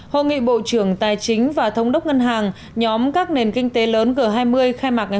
hội nghị bộ trưởng tài chính và thống đốc ngân hàng nhóm các nền kinh tế lớn g hai mươi khai mạc ngày